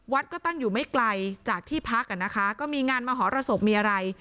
วัดก็ตั้งอยู่ไม่ไกลจากที่พักอ่ะนะคะก็มีงานมหรสบมีอะไร